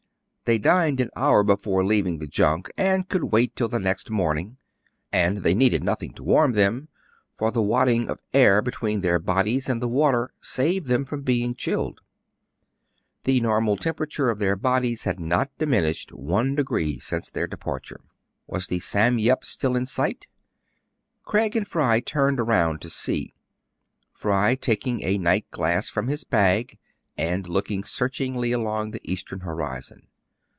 They dined an hour before leaving the junk, and could wait till the next morning; and they needed nothing to warm them, for the wad ding of air between their bodies and the water saved them from being chilled. The normal tem perature of their bodies had not diminished one degree since their departure. Was the Sam Yep " still in sight } Craig and Fry turned around to see ; Fry taking a night glass from his bag, and looking searching ly along the eastern horizon.